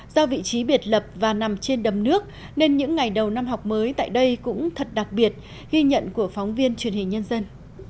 do vị trí biệt lập và nằm trên đầm nước nên những ngày đầu năm học mới tại đây cũng thật đặc biệt ghi nhận của phóng viên truyền hình nhân dân